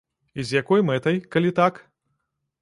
І з якой мэтай, калі так?